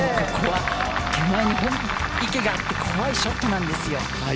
手前に池があって怖いショットなんですよ。